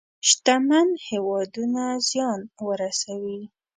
شتمن هېوادونه زيان ورسوي.